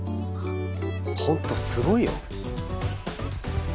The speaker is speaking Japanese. ホントすごいよ。